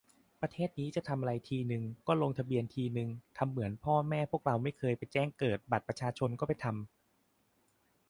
ประเทศนี้ จะทำอะไรทีนึง ก็ลงทะเบียนทีนึง ทำเหมือนพ่อแม่พวกเราไม่เคยไปแจ้งเกิด บัตรประชาชนก็ไปทำ